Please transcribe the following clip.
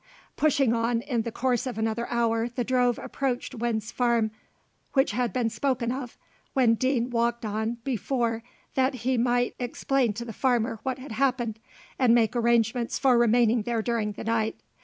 Pushing on, in the course of another hour the drove approached Winn's Farm which had been spoken of, when Deane walked on before that he might explain to the farmer what had happened, and make arrangements for remaining there during the night.